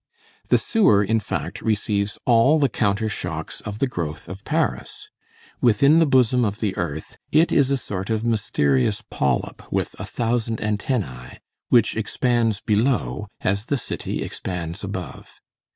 The sewer, in fact, receives all the counter shocks of the growth of Paris. Within the bosom of the earth, it is a sort of mysterious polyp with a thousand antennæ, which expands below as the city expands above.